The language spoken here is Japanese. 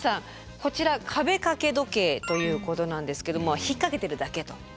こちら壁掛け時計ということなんですけども引っ掛けてるだけと。